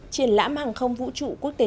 triển lãm hàng không vũ trụ quốc tế